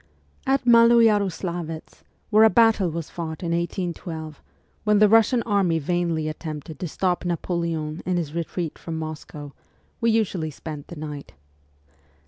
At Maloyaroslavetz, where a battle was fought in 1812, when the Russian army vainly attempted to stop Napoleon in his retreat from Moscow, we usually spent the night.